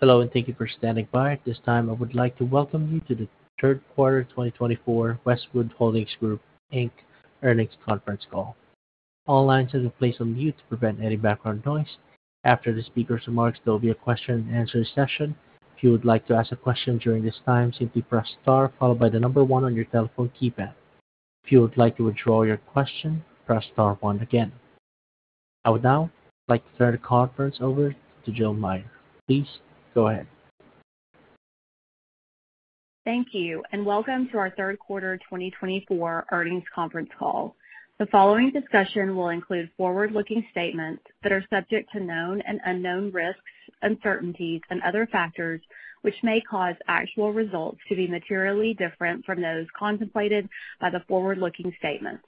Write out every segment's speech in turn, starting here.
Hello, and thank you for standing by. At this time, I would like to welcome you to the Third Quarter 2024 Westwood Holdings Group, Inc. Earnings Conference Call. All lines have been placed on mute to prevent any background noise. After the speaker's remarks, there will be a question-and-answer session. If you would like to ask a question during this time, simply press star followed by the number one on your telephone keypad. If you would like to withdraw your question, press star one again. I would now like to turn the conference over to Jill Meyer. Please go ahead. Thank you, and welcome to our third quarter 2024 earnings conference call. The following discussion will include forward-looking statements that are subject to known and unknown risks, uncertainties, and other factors which may cause actual results to be materially different from those contemplated by the forward-looking statements.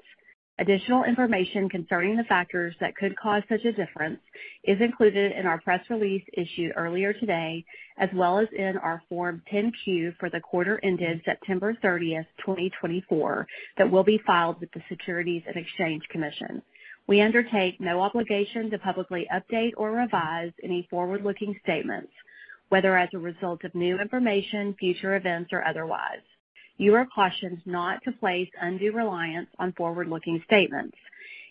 Additional information concerning the factors that could cause such a difference is included in our press release issued earlier today, as well as in our Form 10-Q for the quarter ended September 30th, 2024, that will be filed with the Securities and Exchange Commission. We undertake no obligation to publicly update or revise any forward-looking statements, whether as a result of new information, future events, or otherwise. You are cautioned not to place undue reliance on forward-looking statements.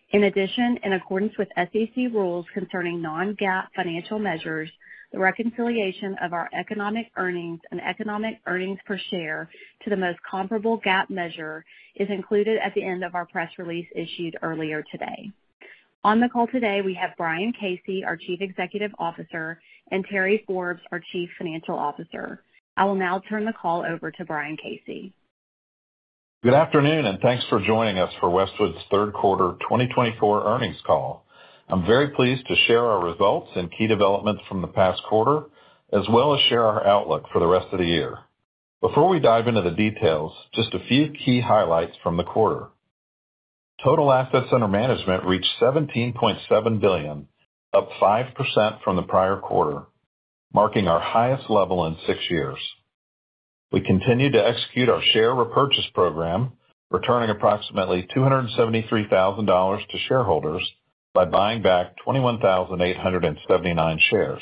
In addition, in accordance with SEC rules concerning non-GAAP financial measures, the reconciliation of our economic earnings and economic earnings per share to the most comparable GAAP measure is included at the end of our press release issued earlier today. On the call today, we have Brian Casey, our Chief Executive Officer, and Terry Forbes, our Chief Financial Officer. I will now turn the call over to Brian Casey. Good afternoon, and thanks for joining us for Westwood's third quarter 2024 earnings call. I'm very pleased to share our results and key developments from the past quarter, as well as share our outlook for the rest of the year. Before we dive into the details, just a few key highlights from the quarter. Total assets under management reached $17.7 billion, up 5% from the prior quarter, marking our highest level in six years. We continue to execute our share repurchase program, returning approximately $273,000 to shareholders by buying back 21,879 shares.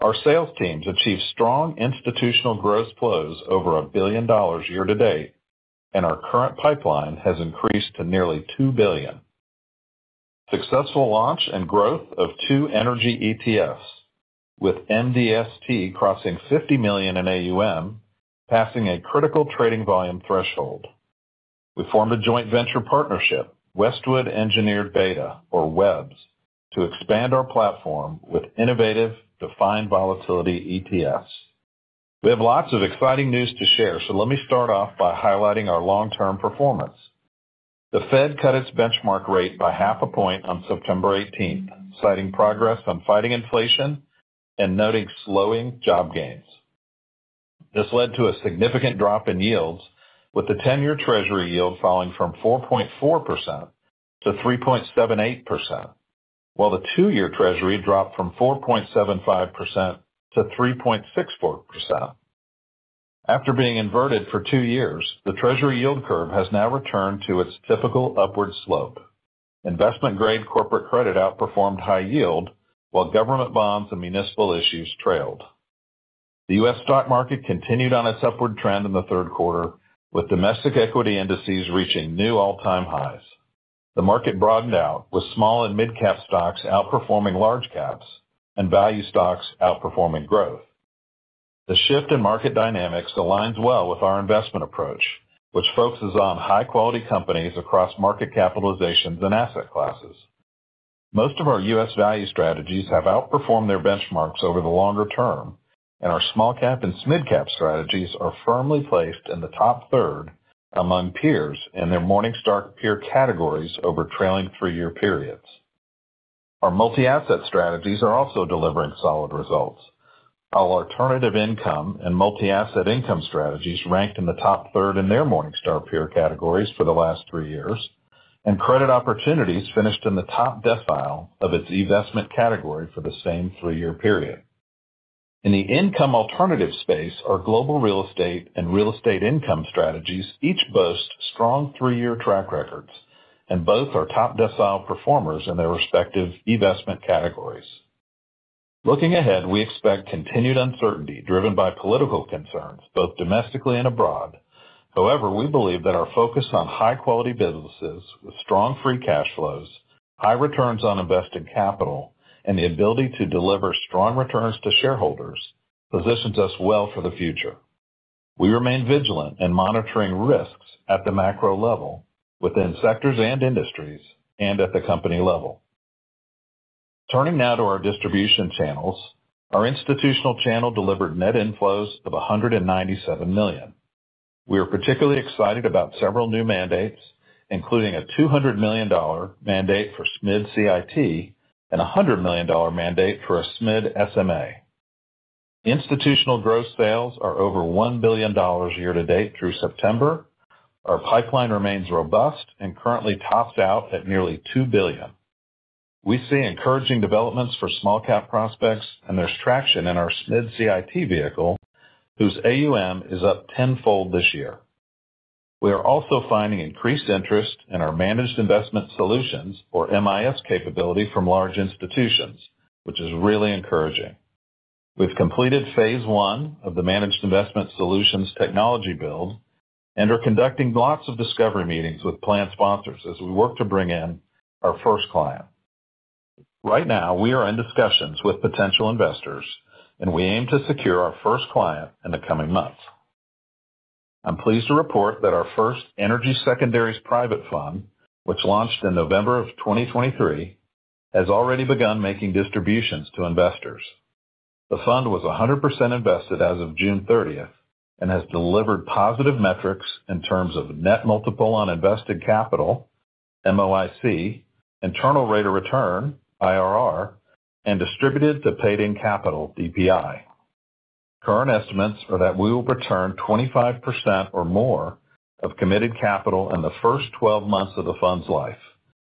Our sales teams achieved strong institutional growth flows over $1 billion year-to-date, and our current pipeline has increased to nearly $2 billion. Successful launch and growth of two energy ETFs, with MDST crossing $50 million in AUM, passing a critical trading volume threshold. We formed a joint venture partnership, Westwood Engineered Beta, or WEBs, to expand our platform with innovative defined volatility ETFs. We have lots of exciting news to share, so let me start off by highlighting our long-term performance. The Fed cut its benchmark rate by half a point on September 18, citing progress on fighting inflation and noting slowing job gains. This led to a significant drop in yields, with the 10-Year Treasury yield falling from 4.4%-3.78%, while the 2-Year Treasury dropped from 4.75%-3.64%. After being inverted for two years, the Treasury yield curve has now returned to its typical upward slope. Investment-grade corporate credit outperformed high yield, while government bonds and municipal issues trailed. The U.S. stock market continued on its upward trend in the third quarter, with domestic equity indices reaching new all-time highs. The market broadened out, with small and mid-cap stocks outperforming large caps and value stocks outperforming growth. The shift in market dynamics aligns well with our investment approach, which focuses on high-quality companies across market capitalizations and asset classes. Most of our U.S. value strategies have outperformed their benchmarks over the longer term, and our small-cap and mid-cap strategies are firmly placed in the top third among peers in their Morningstar peer categories over trailing three-year periods. Our multi-asset strategies are also delivering solid results. Our Alternative Income and Multi-Asset Income strategies ranked in the top third in their Morningstar peer categories for the last three years, and credit opportunities finished in the top decile of its eVestment category for the same three-year period. In the income alternative space, our Global Real Estate and Real Estate Income strategies each boast strong three-year track records, and both are top decile performers in their respective peer investment categories. Looking ahead, we expect continued uncertainty driven by political concerns, both domestically and abroad. However, we believe that our focus on high-quality businesses with strong free cash flows, high returns on invested capital, and the ability to deliver strong returns to shareholders positions us well for the future. We remain vigilant in monitoring risks at the macro level, within sectors and industries, and at the company level. Turning now to our distribution channels, our institutional channel delivered net inflows of $197 million. We are particularly excited about several new mandates, including a $200 million mandate for SMID CIT and a $100 million mandate for a SMID SMA. Institutional gross sales are over $1 billion year-to-date through September. Our pipeline remains robust and currently tops out at nearly $2 billion. We see encouraging developments for small-cap prospects, and there's traction in our SMID CIT vehicle, whose AUM is up tenfold this year. We are also finding increased interest in our Managed Investment Solutions, or MIS, capability from large institutions, which is really encouraging. We've completed phase one of the Managed Investment Solutions technology build and are conducting lots of discovery meetings with plan sponsors as we work to bring in our first client. Right now, we are in discussions with potential investors, and we aim to secure our first client in the coming months. I'm pleased to report that our first energy secondaries private fund, which launched in November of 2023, has already begun making distributions to investors. The fund was 100% invested as of June 30 and has delivered positive metrics in terms of net multiple on invested capital, MOIC, internal rate of return, IRR, and distributed to paid-in capital DPI. Current estimates are that we will return 25% or more of committed capital in the first 12 months of the fund's life,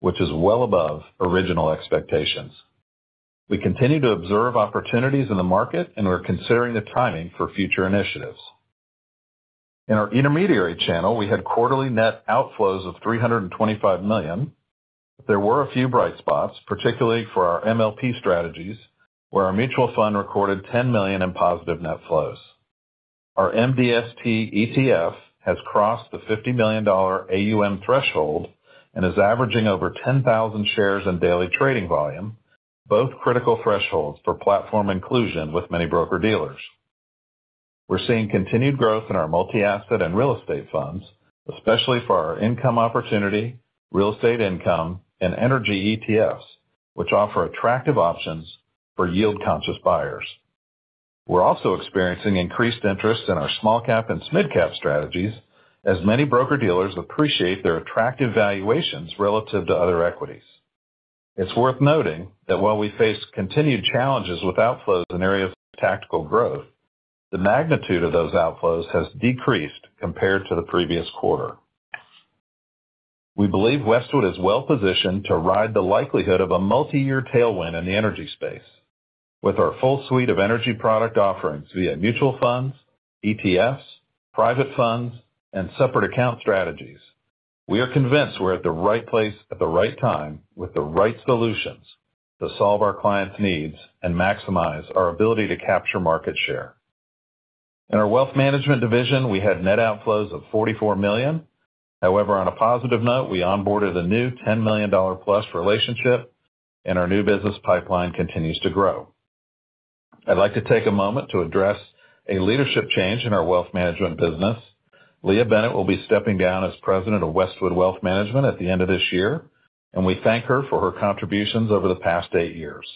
which is well above original expectations. We continue to observe opportunities in the market, and we're considering the timing for future initiatives. In our intermediary channel, we had quarterly net outflows of $325 million. There were a few bright spots, particularly for our MLP strategies, where our mutual fund recorded $10 million in positive net flows. Our MDST ETF has crossed the $50 million AUM threshold and is averaging over 10,000 shares in daily trading volume, both critical thresholds for platform inclusion with many broker-dealers. We're seeing continued growth in our multi-asset and real estate funds, especially for our Income Opportunity, Real Estate Income, and energy ETFs, which offer attractive options for yield-conscious buyers. We're also experiencing increased interest in our small-cap and mid-cap strategies, as many broker-dealers appreciate their attractive valuations relative to other equities. It's worth noting that while we face continued challenges with outflows in areas of tactical growth, the magnitude of those outflows has decreased compared to the previous quarter. We believe Westwood is well-positioned to ride the likelihood of a multi-year tailwind in the energy space. With our full suite of energy product offerings via mutual funds, ETFs, private funds, and separate account strategies, we are convinced we're at the right place at the right time with the right solutions to solve our clients' needs and maximize our ability to capture market share. In our wealth management division, we had net outflows of $44 million. However, on a positive note, we onboarded a new $10 million-plus relationship, and our new business pipeline continues to grow. I'd like to take a moment to address a leadership change in our wealth management business. Leah Bennett will be stepping down as President of Westwood Wealth Management at the end of this year, and we thank her for her contributions over the past eight years.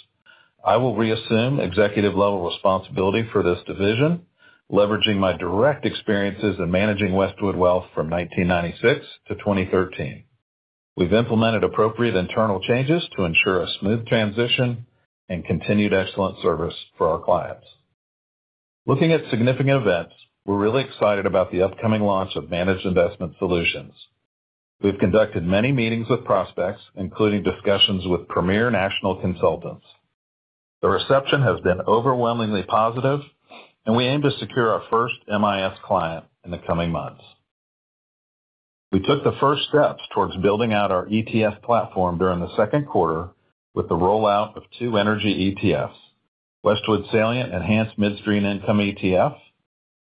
I will reassume executive-level responsibility for this division, leveraging my direct experiences in managing Westwood Wealth from 1996-2013. We've implemented appropriate internal changes to ensure a smooth transition and continued excellent service for our clients. Looking at significant events, we're really excited about the upcoming launch of Managed Investment Solutions. We've conducted many meetings with prospects, including discussions with premier national consultants. The reception has been overwhelmingly positive, and we aim to secure our first MIS client in the coming months. We took the first steps towards building out our ETF platform during the second quarter with the rollout of two energy ETFs: Westwood Salient Enhanced Midstream Income ETF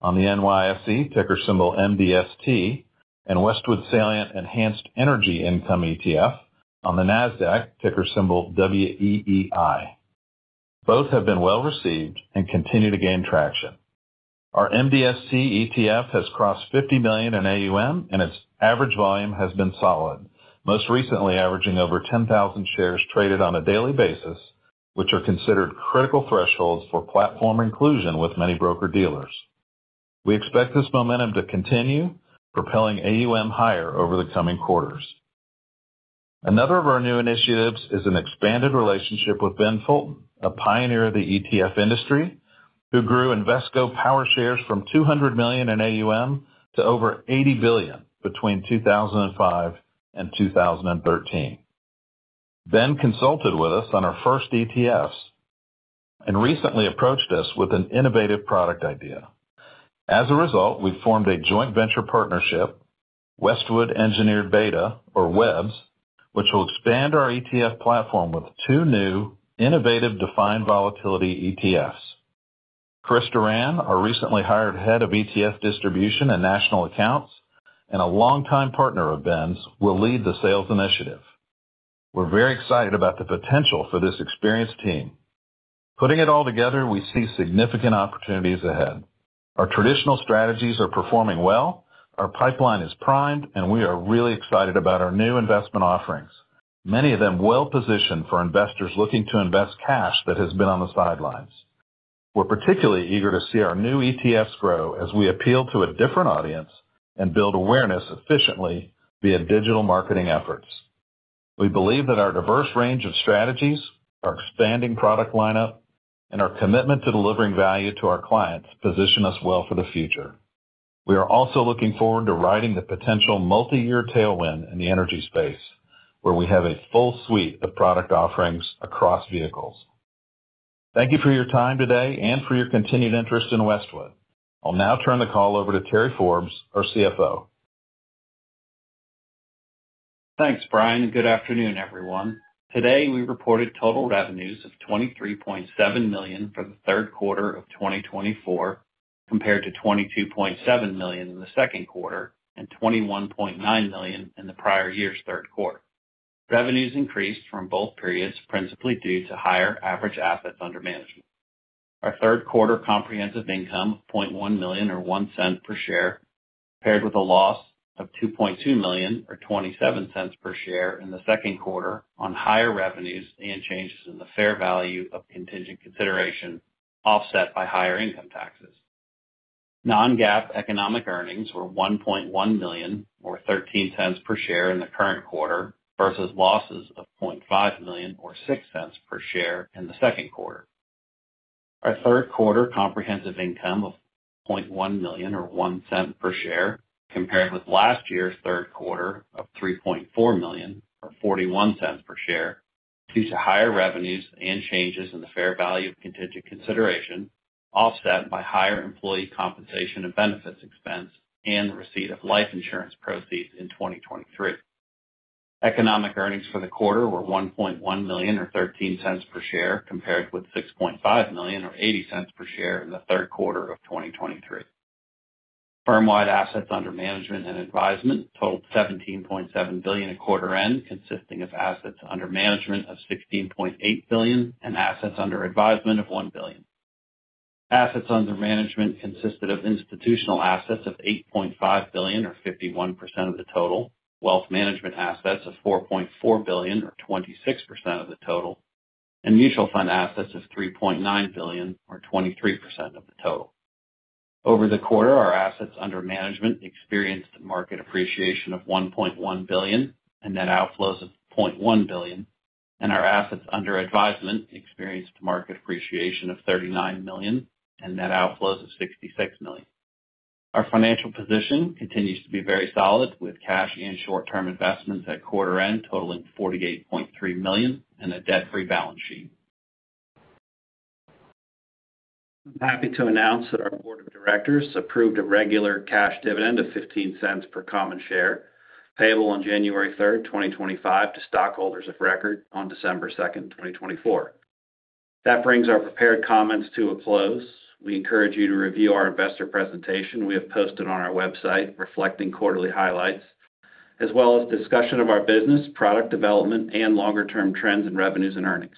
on the NYSE, ticker symbol MDST, and Westwood Salient Enhanced Energy Income ETF on the NASDAQ, ticker symbol WEEI. Both have been well-received and continue to gain traction. Our MDST ETF has crossed $50 million in AUM, and its average volume has been solid, most recently averaging over 10,000 shares traded on a daily basis, which are considered critical thresholds for platform inclusion with many broker-dealers. We expect this momentum to continue, propelling AUM higher over the coming quarters. Another of our new initiatives is an expanded relationship with Ben Fulton, a pioneer of the ETF industry, who grew Invesco PowerShares from $200 million in AUM to over $80 billion between 2005 and 2013. Ben consulted with us on our first ETFs and recently approached us with an innovative product idea. As a result, we've formed a joint venture partnership, Westwood Engineered Beta, or WEBS, which will expand our ETF platform with two new innovative defined volatility ETFs. Chris DeRan, our recently hired head of ETF distribution and national accounts and a longtime partner of Ben's, will lead the sales initiative. We're very excited about the potential for this experienced team. Putting it all together, we see significant opportunities ahead. Our traditional strategies are performing well, our pipeline is primed, and we are really excited about our new investment offerings, many of them well-positioned for investors looking to invest cash that has been on the sidelines. We're particularly eager to see our new ETFs grow as we appeal to a different audience and build awareness efficiently via digital marketing efforts. We believe that our diverse range of strategies, our expanding product lineup, and our commitment to delivering value to our clients position us well for the future. We are also looking forward to riding the potential multi-year tailwind in the energy space, where we have a full suite of product offerings across vehicles. Thank you for your time today and for your continued interest in Westwood. I'll now turn the call over to Terry Forbes, our CFO. Thanks, Brian, and good afternoon, everyone. Today, we reported total revenues of $23.7 million for the third quarter of 2024, compared to $22.7 million in the second quarter and $21.9 million in the prior year's third quarter. Revenues increased from both periods, principally due to higher average assets under management. Our third quarter comprehensive income of $0.1 million, or $0.01 per share, paired with a loss of $2.2 million, or $0.27 per share in the second quarter, on higher revenues and changes in the fair value of contingent consideration offset by higher income taxes. Non-GAAP economic earnings were $1.1 million, or $0.13 per share in the current quarter, versus losses of $0.5 million, or $0.06 per share in the second quarter. Our third quarter comprehensive income of $0.1 million, or $0.01 per share, compared with last year's third quarter of $3.4 million, or $0.41 per share, due to higher revenues and changes in the fair value of contingent consideration offset by higher employee compensation and benefits expense and the receipt of life insurance proceeds in 2023. Economic earnings for the quarter were $1.1 million, or $0.13 per share, compared with $6.5 million, or $0.80 per share in the third quarter of 2023. Firm-wide assets under management and advisement totaled $17.7 billion at quarter end, consisting of assets under management of $16.8 billion and assets under advisement of $1 billion. Assets under management consisted of institutional assets of $8.5 billion, or 51% of the total, wealth management assets of $4.4 billion, or 26% of the total, and mutual fund assets of $3.9 billion, or 23% of the total. Over the quarter, our assets under management experienced a market appreciation of $1.1 billion and net outflows of $0.1 billion, and our assets under advisement experienced a market appreciation of $39 million and net outflows of $66 million. Our financial position continues to be very solid, with cash and short-term investments at quarter end totaling $48.3 million and a debt-free balance sheet. I'm happy to announce that our board of directors approved a regular cash dividend of $0.15 per common share, payable on January 3, 2025, to stockholders of record on December 2, 2024. That brings our prepared comments to a close. We encourage you to review our investor presentation we have posted on our website, reflecting quarterly highlights, as well as discussion of our business, product development, and longer-term trends in revenues and earnings.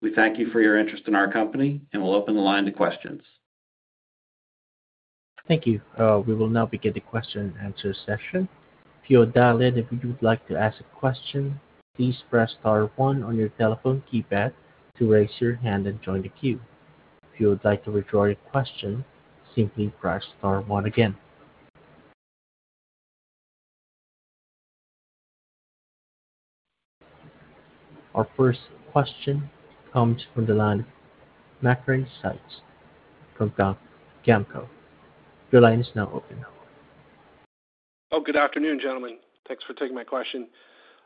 We thank you for your interest in our company and will open the line to questions. Thank you. We will now begin the question-and-answer session. If you are dialed in, if you would like to ask a question, please press star one on your telephone keypad to raise your hand and join the queue. If you would like to withdraw your question, simply press star one again. Our first question comes from the line of Macrae Sykes from GAMCO. Your line is now open. Oh, good afternoon, gentlemen. Thanks for taking my question.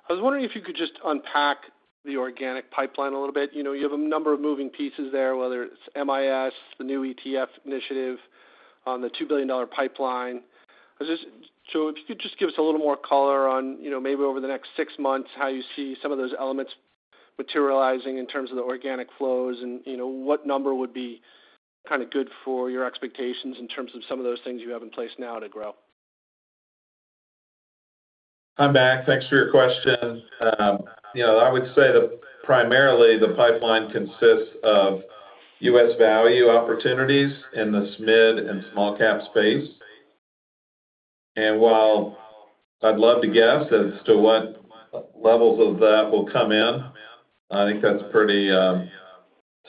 I was wondering if you could just unpack the organic pipeline a little bit. You have a number of moving pieces there, whether it's MIS, the new ETF initiative on the $2 billion pipeline. So if you could just give us a little more color on maybe over the next six months, how you see some of those elements materializing in terms of the organic flows and what number would be kind of good for your expectations in terms of some of those things you have in place now to grow. I'm back. Thanks for your question. I would say that primarily the pipeline consists of U.S. value opportunities in the SMID and small-cap space. And while I'd love to guess as to what levels of that will come in, I think that's pretty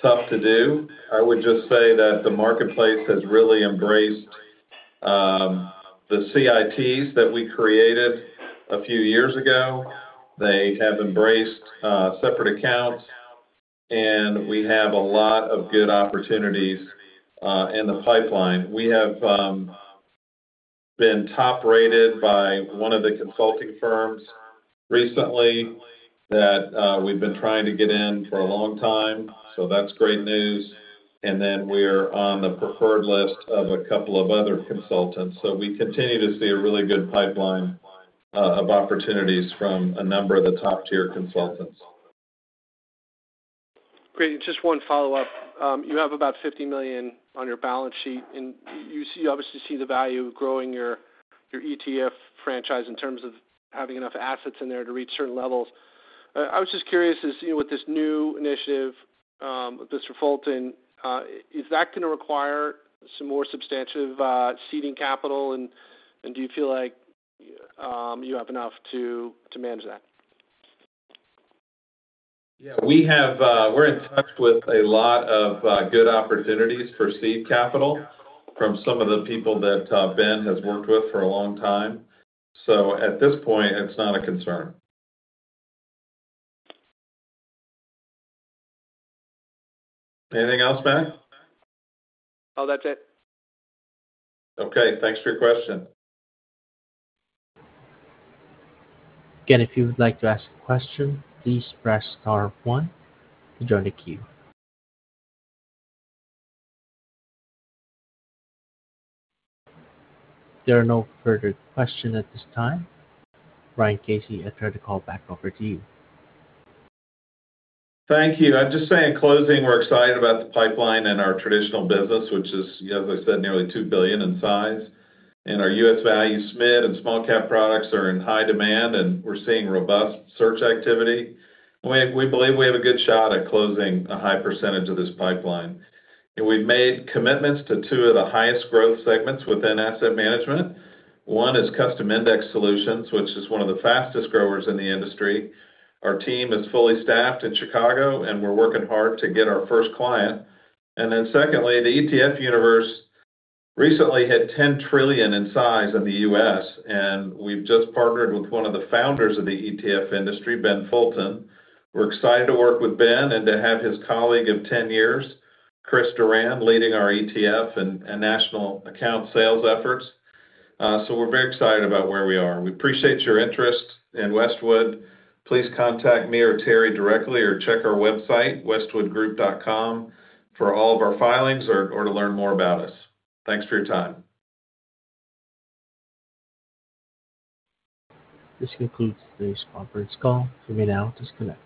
tough to do. I would just say that the marketplace has really embraced the CITs that we created a few years ago. They have embraced separate accounts, and we have a lot of good opportunities in the pipeline. We have been top-rated by one of the consulting firms recently that we've been trying to get in for a long time, so that's great news. And then we are on the preferred list of a couple of other consultants. So we continue to see a really good pipeline of opportunities from a number of the top-tier consultants. Great. Just one follow-up. You have about $50 million on your balance sheet, and you obviously see the value of growing your ETF franchise in terms of having enough assets in there to reach certain levels. I was just curious, with this new initiative with Mr. Fulton, is that going to require some more substantive seeding capital, and do you feel like you have enough to manage that? Yeah. We're in touch with a lot of good opportunities for seed capital from some of the people that Ben has worked with for a long time. So at this point, it's not a concern. Anything else, Mac? Oh, that's it. Okay. Thanks for your question. Again, if you would like to ask a question, please press star one to join the queue. There are no further questions at this time. Brian Casey, I'll turn the call back over to you. Thank you. I'm just saying, closing, we're excited about the pipeline in our traditional business, which is, as I said, nearly $2 billion in size, and our U.S. value SMID and small-cap products are in high demand, and we're seeing robust search activity. We believe we have a good shot at closing a high percentage of this pipeline. We've made commitments to two of the highest growth segments within asset management. One is custom index solutions, which is one of the fastest growers in the industry. Our team is fully staffed in Chicago, and we're working hard to get our first client, and then secondly, the ETF universe recently hit $10 trillion in size in the U.S., and we've just partnered with one of the founders of the ETF industry, Ben Fulton. We're excited to work with Ben and to have his colleague of 10 years, Chris DeRan, leading our ETF and national account sales efforts, so we're very excited about where we are. We appreciate your interest in Westwood. Please contact me or Terry directly or check our website, westwoodgroup.com, for all of our filings or to learn more about us. Thanks for your time. This concludes today's conference call. You may now disconnect.